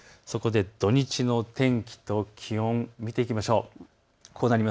土日の天気と気温を見ていきましょう。